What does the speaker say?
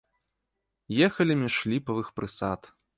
Ехалі між ліпавых прысад.